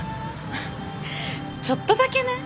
はっちょっとだけね。